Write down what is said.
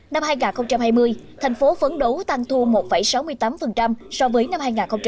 năm hai nghìn hai mươi thành phố phấn đấu tăng thu một sáu mươi tám so với năm hai nghìn một mươi chín